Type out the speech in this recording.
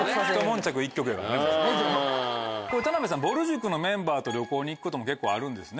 田辺さんぼる塾のメンバーと旅行に行くことも結構あるんですね。